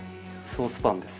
ソースパンです。